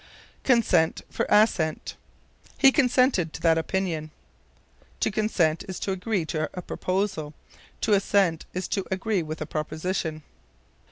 Consent for Assent. "He consented to that opinion." To consent is to agree to a proposal; to assent is to agree with a proposition.